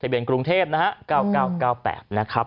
ทับเบียนกรุงเทพ๙๙๙๘นะครับ